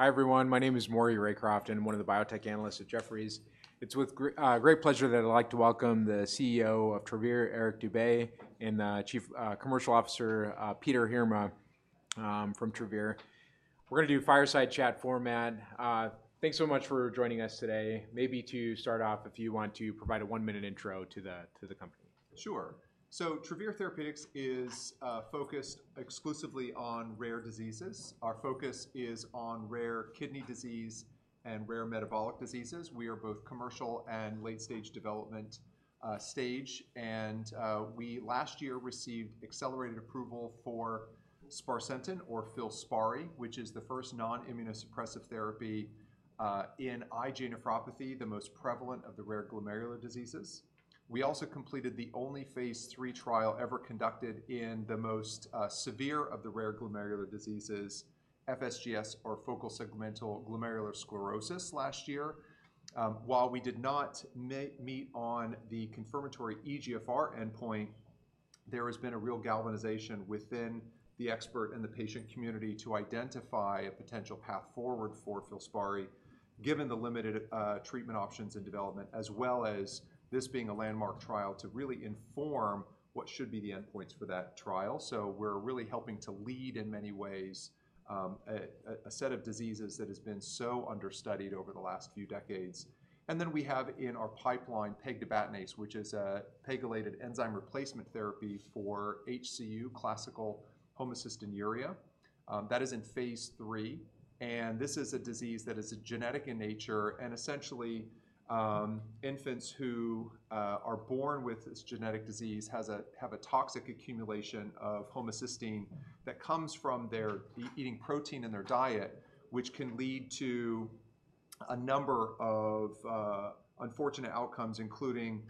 Hi, everyone. My name is Maury Raycroft, and I'm one of the biotech analysts at Jefferies. It's with great pleasure that I'd like to welcome the CEO of Travere, Eric Dube, and Chief Commercial Officer, Peter Heerma, from Travere. We're gonna do fireside chat format. Thanks so much for joining us today. Maybe to start off, if you want to provide a one-minute intro to the company. Sure. So Travere Therapeutics is focused exclusively on rare diseases. Our focus is on rare kidney disease and rare metabolic diseases. We are both commercial and late-stage development, and we last year received accelerated approval for sparsentan or Filspari, which is the first non-immunosuppressive therapy in IgA nephropathy, the most prevalent of the rare glomerular diseases. We also completed the only phase III trial ever conducted in the most severe of the rare glomerular diseases, FSGS or focal segmental glomerular sclerosis last year. While we did not meet on the confirmatory eGFR endpoint, there has been a real galvanization within the expert and the patient community to identify a potential path forward for Filspari, given the limited treatment options and development, as well as this being a landmark trial to really inform what should be the endpoints for that trial. So we're really helping to lead, in many ways, a set of diseases that has been so understudied over the last few decades. And then we have in our pipeline, pegtibatinase, which is a pegylated enzyme replacement therapy for HCU, classical homocystinuria. That is in phase III, and this is a disease that is genetic in nature, and essentially, infants who are born with this genetic disease have a toxic accumulation of homocysteine that comes from their eating protein in their diet, which can lead to a number of unfortunate outcomes, including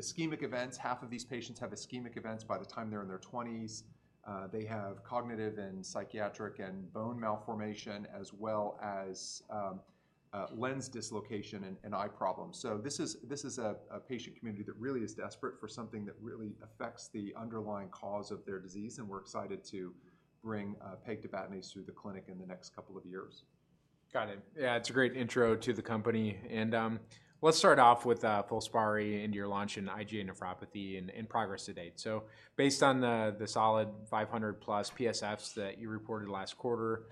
ischemic events. Half of these patients have ischemic events by the time they're in their twenties. They have cognitive, and psychiatric, and bone malformation, as well as, lens dislocation and eye problems. So this is a patient community that really is desperate for something that really affects the underlying cause of their disease, and we're excited to bring pegtibatinase through the clinic in the next couple of years. Got it. Yeah, it's a great intro to the company, and let's start off with Filspari and your launch in IgA nephropathy and progress to date. So based on the solid 500+ PSFs that you reported last quarter,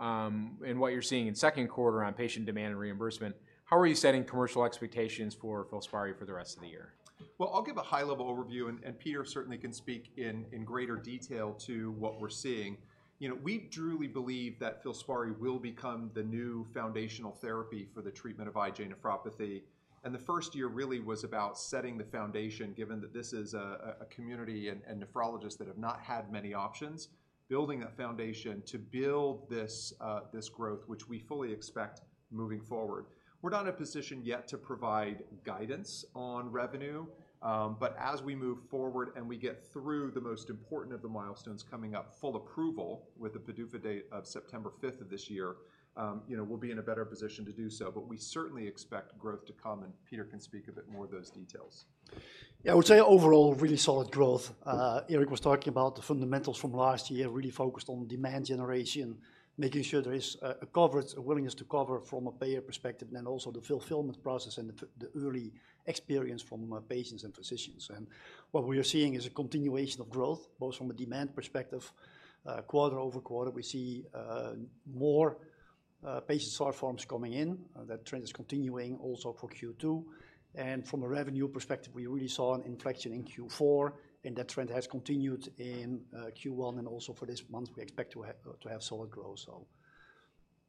and what you're seeing in second quarter on patient demand and reimbursement, how are you setting commercial expectations for Filspari for the rest of the year? Well, I'll give a high-level overview, and Peter certainly can speak in greater detail to what we're seeing. You know, we truly believe that Filspari will become the new foundational therapy for the treatment of IgA nephropathy, and the first year really was about setting the foundation, given that this is a community and nephrologists that have not had many options, building that foundation to build this growth, which we fully expect moving forward. We're not in a position yet to provide guidance on revenue, but as we move forward and we get through the most important of the milestones coming up, full approval with the PDUFA date of September fifth of this year, you know, we'll be in a better position to do so. But we certainly expect growth to come, and Peter can speak a bit more to those details. Yeah, I would say overall, really solid growth. Eric was talking about the fundamentals from last year, really focused on demand generation, making sure there is a coverage, a willingness to cover from a payer perspective, and then also the fulfillment process and the early experience from patients and physicians. And what we are seeing is a continuation of growth, both from a demand perspective, quarter over quarter, we see more patient start forms coming in. That trend is continuing also for Q2. And from a revenue perspective, we really saw an inflection in Q4, and that trend has continued in Q1 and also for this month, we expect to have solid growth so.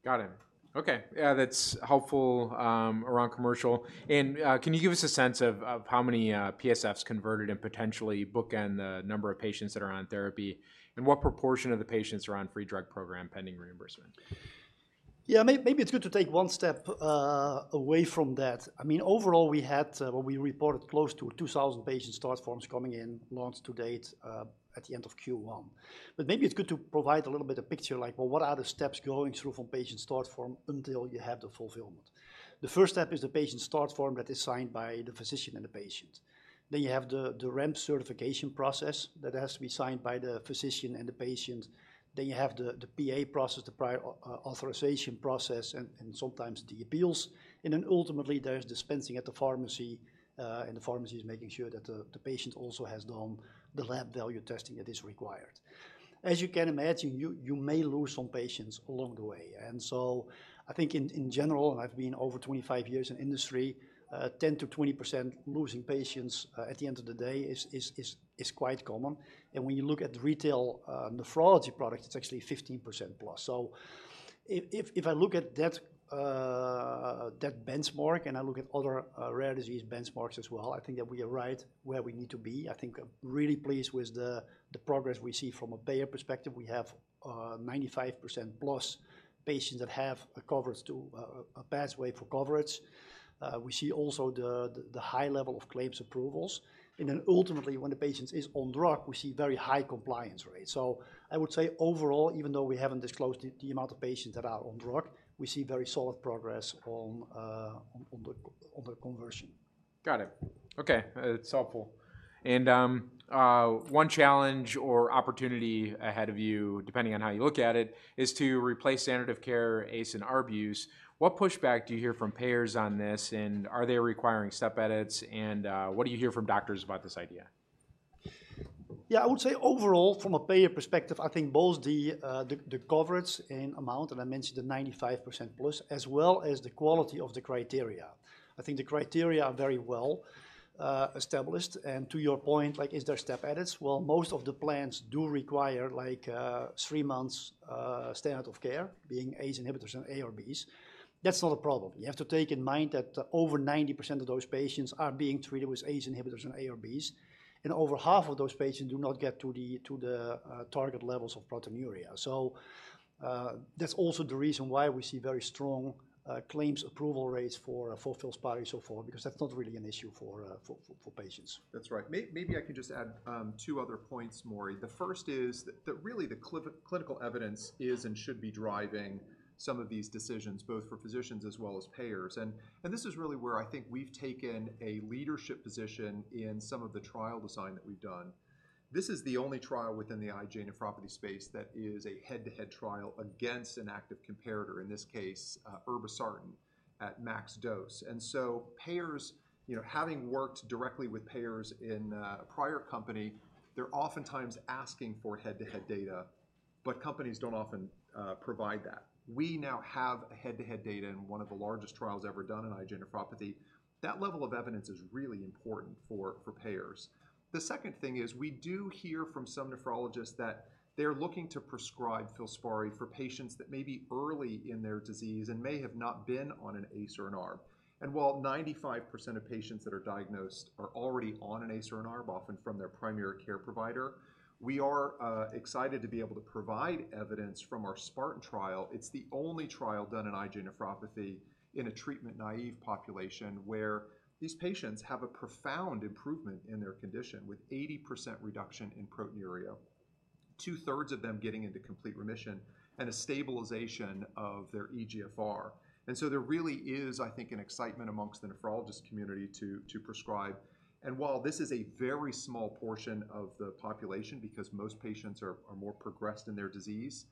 Got it. Okay. Yeah, that's helpful around commercial. And can you give us a sense of how many PSFs converted and potentially bookend the number of patients that are on therapy? And what proportion of the patients are on free drug program pending reimbursement? Yeah, maybe it's good to take one step away from that. I mean, overall, we had well, we reported close to 2000 patient start forms coming in launch to date at the end of Q1. But maybe it's good to provide a little bit of picture, like, well, what are the steps going through from patient start form until you have the fulfillment? The first step is the patient start form that is signed by the physician and the patient. Then you have the REMS certification process that has to be signed by the physician and the patient. Then you have the PA process, the prior authorization process, and sometimes the appeals. And then ultimately, there's dispensing at the pharmacy, and the pharmacy is making sure that the patient also has done the lab value testing that is required. As you can imagine, you may lose some patients along the way, and so I think in general, I've been over 25 years in industry, 10%-20% losing patients at the end of the day is quite common. And when you look at retail nephrology product, it's actually 15%+. So if I look at that benchmark and I look at other rare disease benchmarks as well, I think that we are right where we need to be. I think I'm really pleased with the progress we see from a payer perspective. We have 95%+ patients that have a coverage to a pathway for coverage. We see also the high level of claims approvals, and then ultimately, when the patient is on drug, we see very high compliance rates. So I would say overall, even though we haven't disclosed the amount of patients that are on drug, we see very solid progress on the conversion.... Got it. Okay, it's helpful. And, one challenge or opportunity ahead of you, depending on how you look at it, is to replace standard of care, ACE and ARBs. What pushback do you hear from payers on this, and are they requiring step edits, and, what do you hear from doctors about this idea? Yeah, I would say overall, from a payer perspective, I think both the coverage and amount, and I mentioned the 95% plus, as well as the quality of the criteria. I think the criteria are very well established. And to your point, like, is there step edits? Well, most of the plans do require like three months standard of care, being ACE inhibitors and ARBs. That's not a problem. You have to take in mind that over 90% of those patients are being treated with ACE inhibitors and ARBs, and over half of those patients do not get to the target levels of proteinuria. So that's also the reason why we see very strong claims approval rates for Filspari so far, because that's not really an issue for patients. That's right. Maybe I can just add two other points, Maury. The first is that really the clinical evidence is and should be driving some of these decisions, both for physicians as well as payers. And this is really where I think we've taken a leadership position in some of the trial design that we've done. This is the only trial within the IgA nephropathy space that is a head-to-head trial against an active comparator, in this case, irbesartan at max dose. And so payers, you know, having worked directly with payers in a prior company, they're oftentimes asking for head-to-head data, but companies don't often provide that. We now have head-to-head data in one of the largest trials ever done in IgA nephropathy. That level of evidence is really important for payers. The second thing is, we do hear from some nephrologists that they're looking to prescribe Filspari for patients that may be early in their disease and may have not been on an ACE or an ARB. And while 95% of patients that are diagnosed are already on an ACE or an ARB, often from their primary care provider, we are excited to be able to provide evidence from our sparsentan trial. It's the only trial done in IgA nephropathy in a treatment-naive population, where these patients have a profound improvement in their condition, with 80% reduction in proteinuria, two-thirds of them getting into complete remission and a stabilization of their eGFR. And so there really is, I think, an excitement amongst the nephrologist community to, to prescribe. While this is a very small portion of the population, because most patients are more progressed in their disease,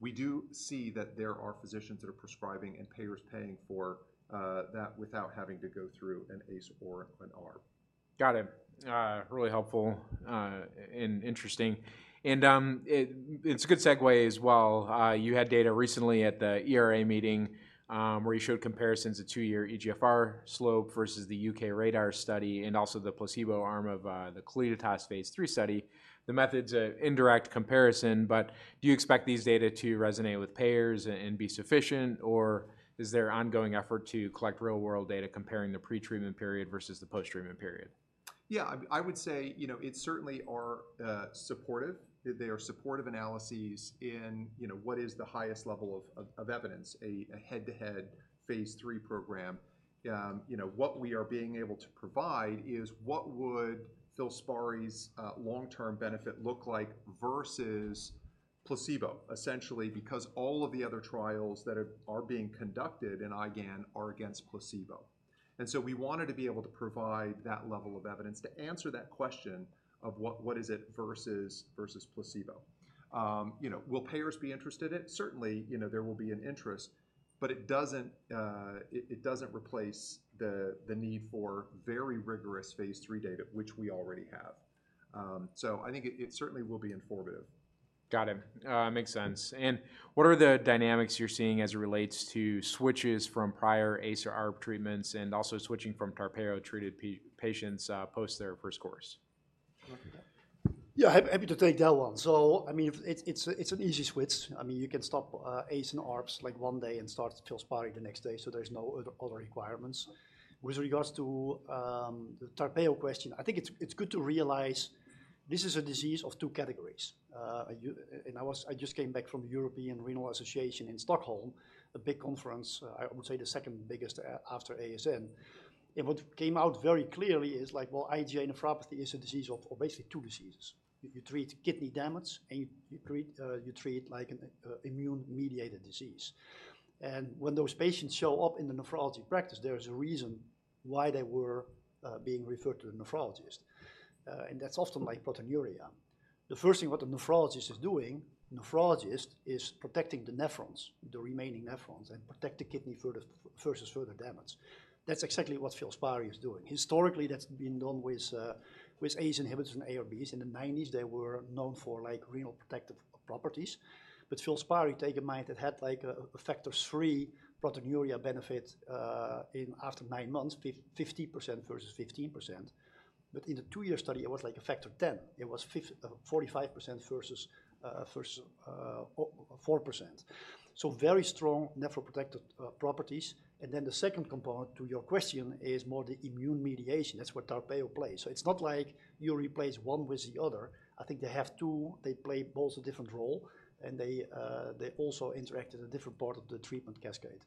we do see that there are physicians that are prescribing and payers paying for that without having to go through an ACE or an ARB. Got it. Really helpful, and interesting. And, it's a good segue as well. You had data recently at the ERA meeting, where you showed comparisons of two-year eGFR slope versus the UK RaDaR study and also the placebo arm of the Calliditas phase III study. The method's an indirect comparison, but do you expect these data to resonate with payers and be sufficient, or is there ongoing effort to collect real-world data comparing the pre-treatment period versus the post-treatment period? Yeah, I would say, you know, it certainly are supportive. They are supportive analyses in, you know, what is the highest level of evidence, a head-to-head phase III program. You know, what we are being able to provide is what would Filspari's long-term benefit look like versus placebo, essentially, because all of the other trials that are being conducted in IgAN are against placebo. And so we wanted to be able to provide that level of evidence to answer that question of what is it versus placebo. You know, will payers be interested in it? Certainly, you know, there will be an interest, but it doesn't replace the need for very rigorous phase III data, which we already have. So I think it certainly will be informative. Got it. Makes sense. And what are the dynamics you're seeing as it relates to switches from prior ACE or ARB treatments, and also switching from Tarpeyo -treated patients post their first course? You want me to take that? Yeah, happy to take that one. So I mean, it's an easy switch. I mean, you can stop ACE and ARBs like one day and start Filspari the next day, so there's no other requirements. With regards to the Tarpeyo question, I think it's good to realize this is a disease of two categories. And I just came back from the European Renal Association in Stockholm, a big conference, I would say the second biggest after ASN. And what came out very clearly is like, well, IgA nephropathy is a disease of basically two diseases. You treat kidney damage, and you treat like an immune-mediated disease. When those patients show up in the nephrology practice, there is a reason why they were being referred to a nephrologist, and that's often like proteinuria. The first thing what the nephrologist is doing, nephrologist, is protecting the nephrons, the remaining nephrons, and protect the kidney further versus further damage. That's exactly what Filspari is doing. Historically, that's been done with ACE inhibitors and ARBs. In the 1990s, they were known for, like, renal protective properties. But Filspari, take in mind, it had like a factor of three proteinuria benefit in after nine months, 50% versus 15%. But in the two-year study, it was like a factor of 10. It was 45% versus 4%. So very strong nephroprotective properties. And then the second component to your question is more the immune mediation. That's what Tarpeyo plays. So it's not like you replace one with the other. I think they have two, they play both a different role, and they, they also interact in a different part of the treatment cascade.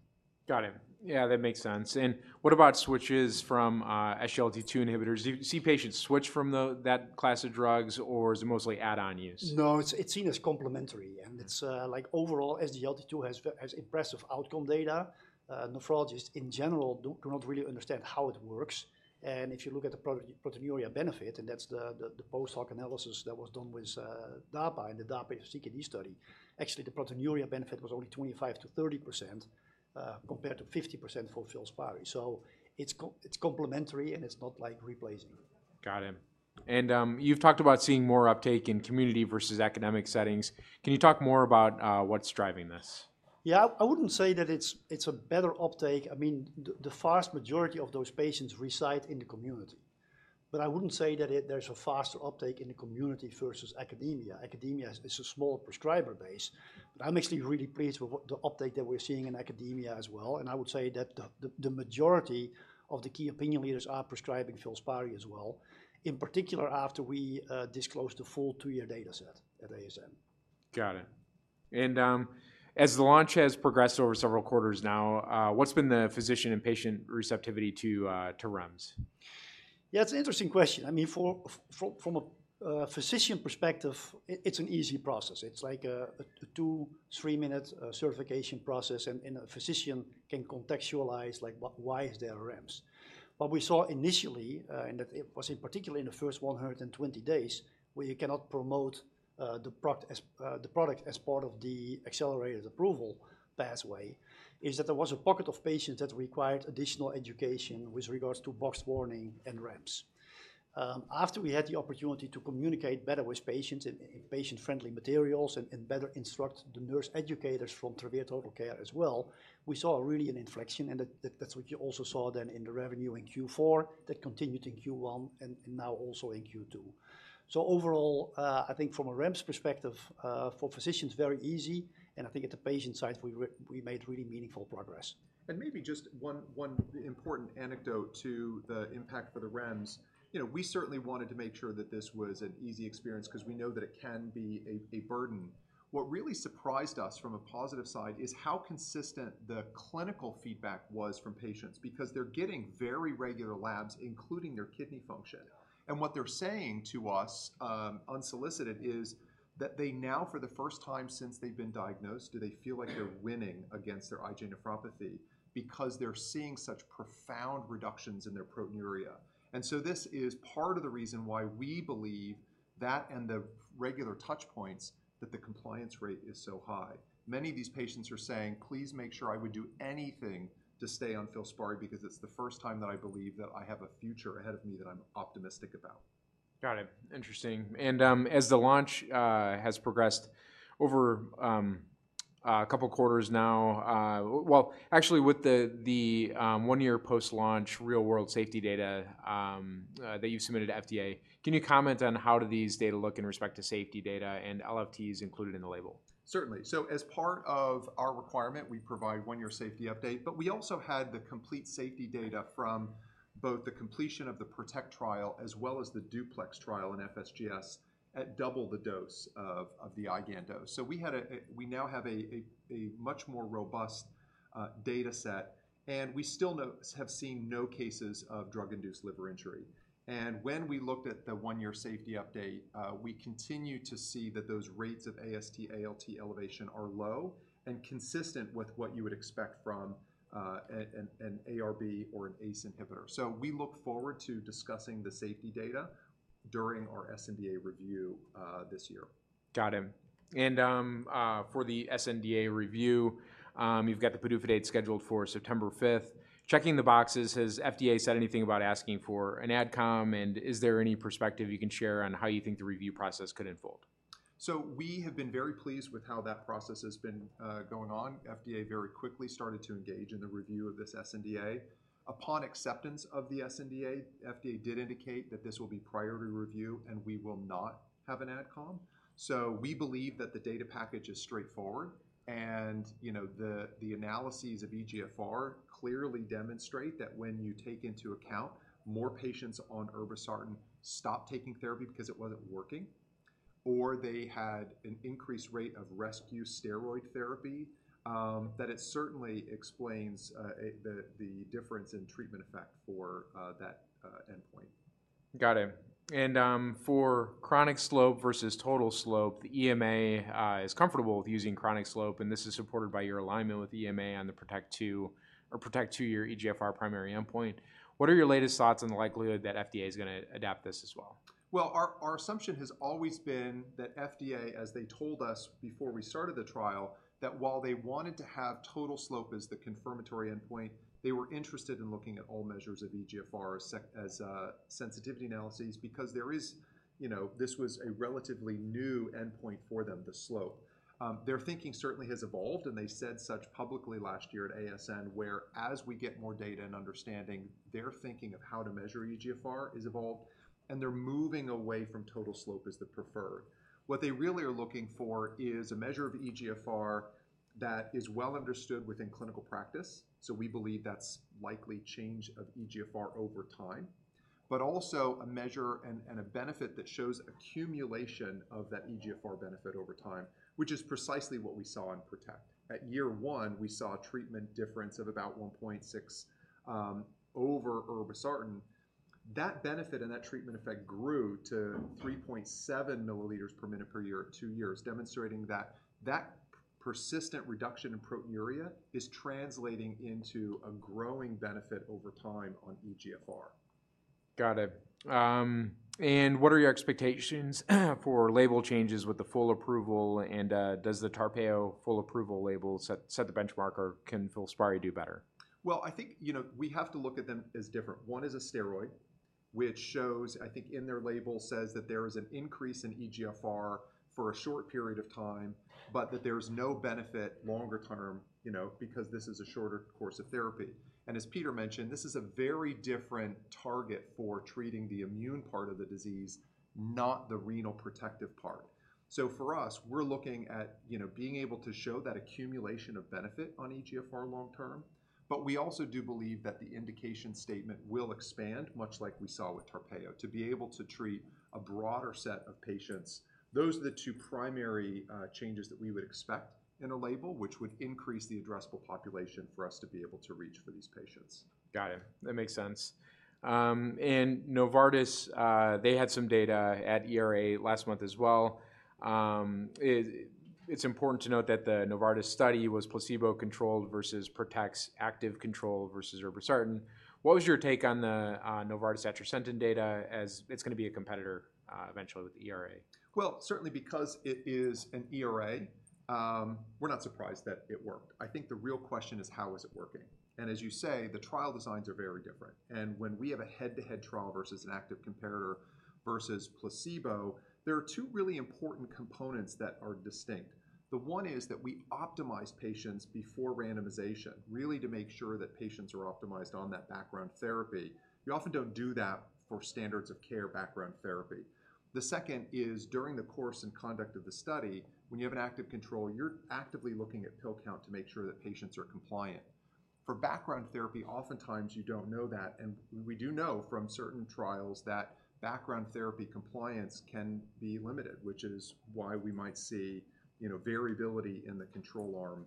Got it. Yeah, that makes sense. What about switches from SGLT2 inhibitors? Do you see patients switch from that class of drugs, or is it mostly add-on use? No, it's seen as complementary, and it's, like overall, SGLT2 has impressive outcome data. Nephrologists, in general, do not really understand how it works. And if you look at the proteinuria benefit, and that's the post hoc analysis that was done with DAPA in the DAPA-CKD study, actually, the proteinuria benefit was only 25%-30%, compared to 50% for Filspari. So it's complementary, and it's not like replacing. Got it. You've talked about seeing more uptake in community versus academic settings. Can you talk more about what's driving this? ... Yeah, I wouldn't say that it's a better uptake. I mean, the vast majority of those patients reside in the community. But I wouldn't say that there's a faster uptake in the community versus academia. Academia is a smaller prescriber base, but I'm actually really pleased with what the uptake that we're seeing in academia as well, and I would say that the majority of the key opinion leaders are prescribing Filspari as well, in particular, after we disclosed the full two-year data set at ASN. Got it. And, as the launch has progressed over several quarters now, what's been the physician and patient receptivity to, to REMS? Yeah, it's an interesting question. I mean, from a physician perspective, it's an easy process. It's like a 2-3-minute certification process, and a physician can contextualize, like, why is there a REMS? What we saw initially, and that it was in particular in the first 120 days, where you cannot promote the product as part of the accelerated approval pathway, is that there was a pocket of patients that required additional education with regards to box warning and REMS. After we had the opportunity to communicate better with patients in patient-friendly materials and better instruct the nurse educators from Travere TotalCare as well, we saw really an inflection, and that's what you also saw then in the revenue in Q4. That continued in Q1, and now also in Q2. So overall, I think from a REMS perspective, for physicians, very easy, and I think at the patient side, we made really meaningful progress. Maybe just one, one important anecdote to the impact for the REMS. You know, we certainly wanted to make sure that this was an easy experience 'cause we know that it can be a, a burden. What really surprised us from a positive side is how consistent the clinical feedback was from patients, because they're getting very regular labs, including their kidney function. Yeah. And what they're saying to us, unsolicited, is that they now, for the first time since they've been diagnosed, do they feel like they're winning against their IgA nephropathy because they're seeing such profound reductions in their proteinuria. And so this is part of the reason why we believe that, and the regular touch points, that the compliance rate is so high. Many of these patients are saying, "Please make sure I would do anything to stay on Filspari because it's the first time that I believe that I have a future ahead of me that I'm optimistic about. Got it. Interesting. As the launch has progressed over a couple quarters now, well, actually, with the one-year post-launch, real-world safety data that you've submitted to FDA, can you comment on how do these data look in respect to safety data and LFTs included in the label? Certainly. So as part of our requirement, we provide one-year safety update, but we also had the complete safety data from both the completion of the PROTECT trial, as well as the DUPLEX trial in FSGS at double the dose of the IgAN dose. So we now have a much more robust data set, and we still have seen no cases of drug-induced liver injury. And when we looked at the one-year safety update, we continue to see that those rates of AST, ALT elevation are low and consistent with what you would expect from an ARB or an ACE inhibitor. So we look forward to discussing the safety data during our sNDA review this year. Got it. For the sNDA review, you've got the PDUFA date scheduled for September fifth. Checking the boxes, has FDA said anything about asking for an ad com, and is there any perspective you can share on how you think the review process could unfold? So we have been very pleased with how that process has been going on. FDA very quickly started to engage in the review of this sNDA. Upon acceptance of the sNDA, FDA did indicate that this will be priority review, and we will not have an ad com. So we believe that the data package is straightforward, and, you know, the, the analyses of eGFR clearly demonstrate that when you take into account more patients on irbesartan stopped taking therapy because it wasn't working, or they had an increased rate of rescue steroid therapy, that it certainly explains, the, the difference in treatment effect for, that, endpoint. Got it. And, for chronic slope versus total slope, the EMA is comfortable with using chronic slope, and this is supported by your alignment with EMA on the PROTECT two or PROTECT two-year eGFR primary endpoint. What are your latest thoughts on the likelihood that FDA is gonna adopt this as well? Well, our assumption has always been that FDA, as they told us before we started the trial, that while they wanted to have total slope as the confirmatory endpoint, they were interested in looking at all measures of eGFR as sensitivity analyses because there is... You know, this was a relatively new endpoint for them, the slope. Their thinking certainly has evolved, and they said such publicly last year at ASN, where as we get more data and understanding, their thinking of how to measure eGFR has evolved, and they're moving away from total slope as the preferred. What they really are looking for is a measure of eGFR that is well understood within clinical practice, so we believe that's likely change of eGFR over time, but also a measure and a benefit that shows accumulation of that eGFR benefit over time, which is precisely what we saw in PROTECT. At year one, we saw a treatment difference of about 1.6 over irbesartan. That benefit and that treatment effect grew to 3.7 milliliters per minute per year at two years, demonstrating that that persistent reduction in proteinuria is translating into a growing benefit over time on eGFR. Got it. And what are your expectations for label changes with the full approval, and does the Tarpeyo full approval label set the benchmark, or can Filspari do better? Well, I think, you know, we have to look at them as different. One is a steroid, which shows, I think in their label, says that there is an increase in eGFR for a short period of time, but that there's no benefit longer term, you know, because this is a shorter course of therapy. And as Peter mentioned, this is a very different target for treating the immune part of the disease, not the renal protective part. So for us, we're looking at, you know, being able to show that accumulation of benefit on eGFR long term, but we also do believe that the indication statement will expand, much like we saw with Tarpeyo, to be able to treat a broader set of patients. Those are the two primary changes that we would expect in a label, which would increase the addressable population for us to be able to reach for these patients. Got it. That makes sense. And Novartis, they had some data at ERA last month as well. It's important to note that the Novartis study was placebo-controlled versus PROTECT's active control versus irbesartan. What was your take on the Novartis atrisentan data, as it's gonna be a competitor eventually with the ERA? Well, certainly because it is an ERA, we're not surprised that it worked. I think the real question is: how is it working? And as you say, the trial designs are very different, and when we have a head-to-head trial versus an active comparator versus placebo, there are two really important components that are distinct. The one is that we optimize patients before randomization, really to make sure that patients are optimized on that background therapy. You often don't do that for standards of care background therapy. The second is, during the course and conduct of the study, when you have an active control, you're actively looking at pill count to make sure that patients are compliant. For background therapy, oftentimes you don't know that, and we do know from certain trials that background therapy compliance can be limited, which is why we might see, you know, variability in the control arm,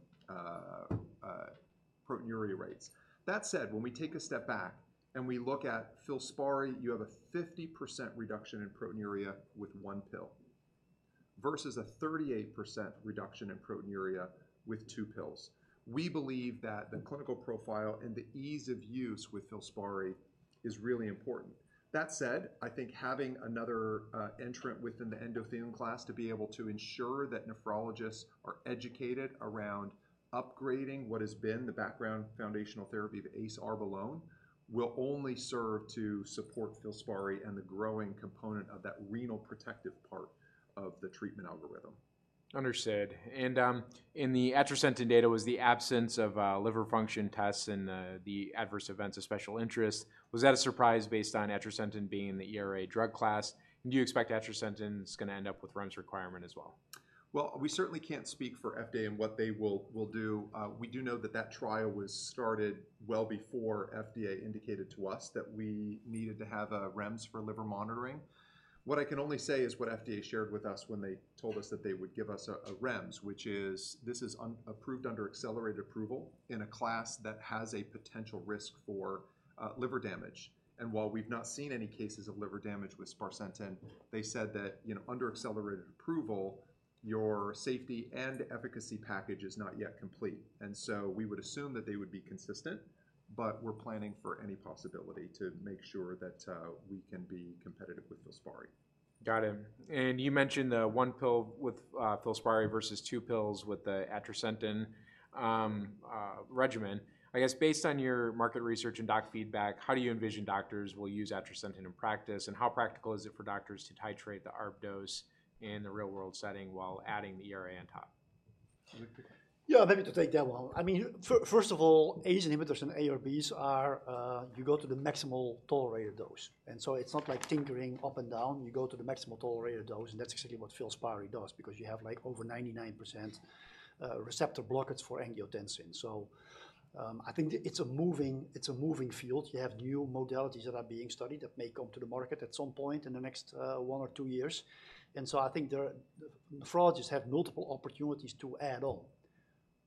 proteinuria rates. That said, when we take a step back and we look at Filspari, you have a 50% reduction in proteinuria with one pill, versus a 38% reduction in proteinuria with two pills. We believe that the clinical profile and the ease of use with Filspari is really important. That said, I think having another entrant within the endothelin class to be able to ensure that nephrologists are educated around upgrading what has been the background foundational therapy of ACE ARB alone, will only serve to support Filspari and the growing component of that renal protective part of the treatment algorithm. Understood. In the atrisentan data, was the absence of liver function tests and the adverse events of special interest, was that a surprise based on atrisentan being in the ERA drug class? Do you expect atrisentan is gonna end up with REMS requirement as well? Well, we certainly can't speak for FDA and what they will, will do. We do know that that trial was started well before FDA indicated to us that we needed to have a REMS for liver monitoring. What I can only say is what FDA shared with us when they told us that they would give us a REMS, which is, this is unapproved under accelerated approval in a class that has a potential risk for liver damage. And while we've not seen any cases of liver damage with sparsentan, they said that, you know, under accelerated approval, your safety and efficacy package is not yet complete. And so we would assume that they would be consistent, but we're planning for any possibility to make sure that we can be competitive with Filspari. Got it. And you mentioned the one pill with Filspari versus two pills with the atrisentan regimen. I guess based on your market research and doc feedback, how do you envision doctors will use atrisentan in practice, and how practical is it for doctors to titrate the ARB dose in the real-world setting while adding the ERA on top? You take it? Yeah, maybe to take that one. I mean, first of all, ACE inhibitors and ARBs are, you go to the maximal tolerated dose, and so it's not like tinkering up and down. You go to the maximal tolerated dose, and that's exactly what Filspari does because you have, like, over 99% receptor blockage for angiotensin. So, I think it's a moving, it's a moving field. You have new modalities that are being studied that may come to the market at some point in the next one or two years. And so I think nephrologists have multiple opportunities to add on,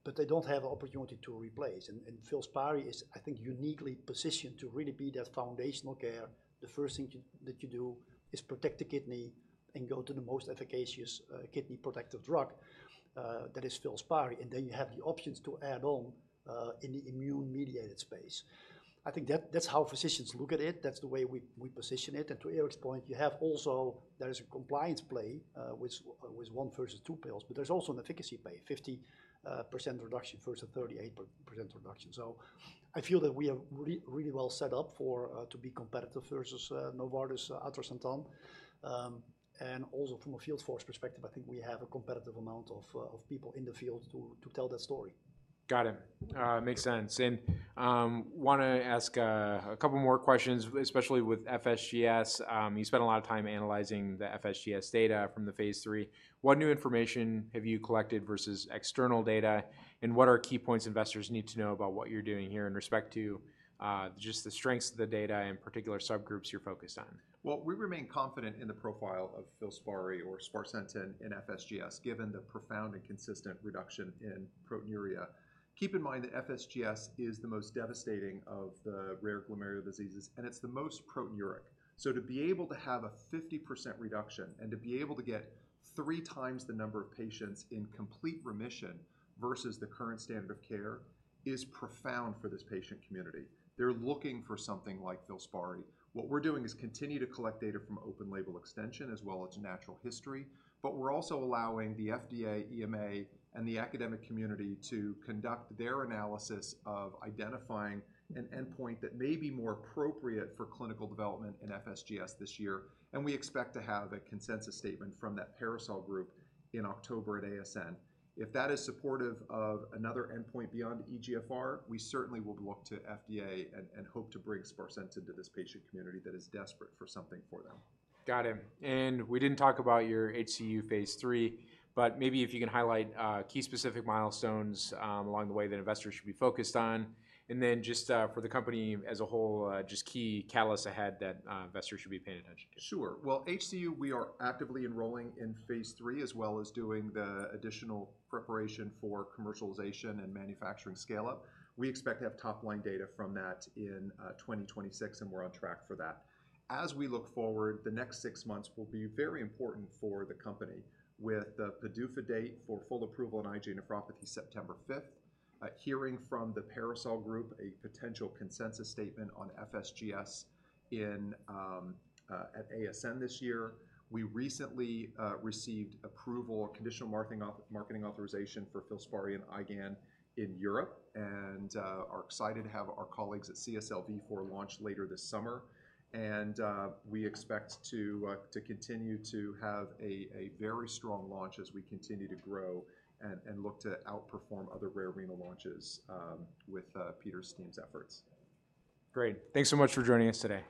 but they don't have an opportunity to replace, and Filspari is, I think, uniquely positioned to really be that foundational care. The first thing that you do is protect the kidney and go to the most efficacious kidney protective drug that is Filspari, and then you have the options to add on in the immune-mediated space. I think that's how physicians look at it. That's the way we position it. And to Eric's point, you have also... There is a compliance play with one versus two pills, but there's also an efficacy play, 50% reduction versus 38% reduction. So I feel that we are really well set up for to be competitive versus Novartis, atrisentan. And also from a field force perspective, I think we have a competitive amount of people in the field to tell that story. Got it. Makes sense. Wanna ask a couple more questions, especially with FSGS. You spent a lot of time analyzing the FSGS data from the Phase III. What new information have you collected versus external data, and what are key points investors need to know about what you're doing here in respect to just the strengths of the data and particular subgroups you're focused on? Well, we remain confident in the profile of Filspari or sparsentan in FSGS, given the profound and consistent reduction in proteinuria. Keep in mind that FSGS is the most devastating of the rare glomerular diseases, and it's the most proteinuria. So to be able to have a 50% reduction and to be able to get three times the number of patients in complete remission versus the current standard of care, is profound for this patient community. They're looking for something like Filspari. What we're doing is continue to collect data from open label extension as well as natural history, but we're also allowing the FDA, EMA, and the academic community to conduct their analysis of identifying an endpoint that may be more appropriate for clinical development in FSGS this year. And we expect to have a consensus statement from that PARASOL group in October at ASN. If that is supportive of another endpoint beyond eGFR, we certainly will look to FDA and hope to bring sparsentan into this patient community that is desperate for something for them. Got it. We didn't talk about your HCU phase III, but maybe if you can highlight key specific milestones along the way that investors should be focused on. Then just for the company as a whole just key catalysts ahead that investors should be paying attention to. Sure. Well, HCU, we are actively enrolling in phase III, as well as doing the additional preparation for commercialization and manufacturing scale-up. We expect to have top-line data from that in 2026, and we're on track for that. As we look forward, the next six months will be very important for the company with the PDUFA date for full approval in IgA nephropathy, September fifth; hearing from the PARASOL Group, a potential consensus statement on FSGS in at ASN this year. We recently received approval or conditional marketing authorization for Filspari and IgAN in Europe, and are excited to have our colleagues at CSL Vifor for launch later this summer. We expect to continue to have a very strong launch as we continue to grow and look to outperform other rare renal launches with Peter's team's efforts. Great. Thanks so much for joining us today.